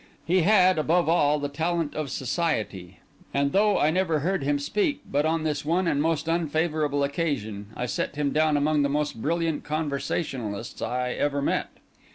He had, above all, the talent of society; and though I never heard him speak but on this one and most unfavourable occasion, I set him down among the most brilliant conversationalists I ever met.